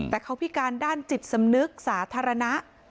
แต่เขาพิการด้านจิตสำนึกสาธารณะ